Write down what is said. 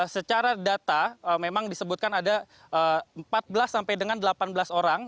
secara data memang disebutkan ada empat belas sampai dengan delapan belas orang